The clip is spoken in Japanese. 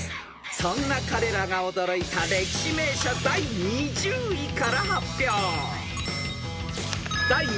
［そんな彼らが驚いた歴史名所第２０位から発表］